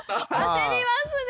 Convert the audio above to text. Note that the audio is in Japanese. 焦りますね！